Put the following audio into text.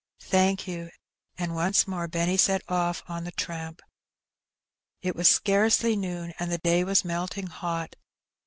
"Thank you." And once more Benny set ofiF on the tramp. It was scarcely noon, and the day was melting hot.